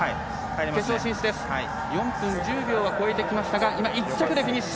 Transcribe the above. ４分１０秒は超えてきましたが今、１着でフィニッシュ。